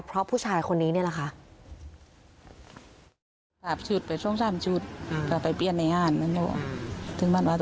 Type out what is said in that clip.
เพราะผู้ชายคนนี้นี่แหละค่ะ